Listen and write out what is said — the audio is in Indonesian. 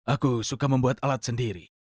aku suka membuat alat sendiri